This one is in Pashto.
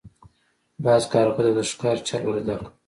باز کارغه ته د ښکار چل ور زده کړ.